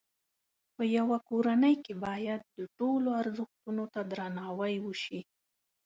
په یوه کورنۍ کې باید د ټولو ازرښتونو ته درناوی وشي.